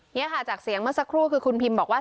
นี่ค่ะจากเสียงเมื่อสักครู่คือคุณพิมบอกว่า